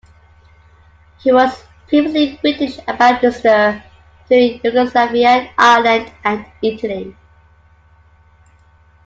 He was previously British Ambassador to Yugoslavia, Ireland, and Italy.